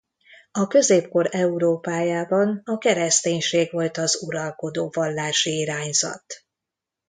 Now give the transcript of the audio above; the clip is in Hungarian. A középkor Európájában a kereszténység volt az uralkodó vallási irányzat.